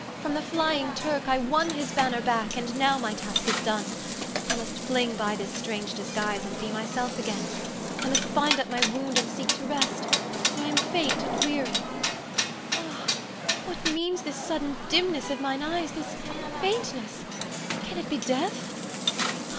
From the flying Turk I won his banner back, and now my task is done. I must fling by this strange disguise and be myself again. I must bind up my wound and seek to rest, for I am faint and weary. Ah, what means this sudden dimness of mine eyes, this faintness can it be death?